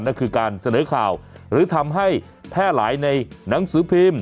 นั่นคือการเสนอข่าวหรือทำให้แพร่หลายในหนังสือพิมพ์